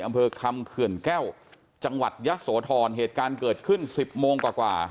อำเภอคำเขื่อนแก้วจังหวัดยะโสธรเหตุการณ์เกิดขึ้นสิบโมงกว่า